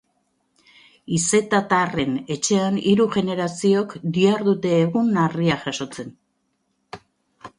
Izetatarren etxean hiru generaziok dihardute egun harriak jasotzen.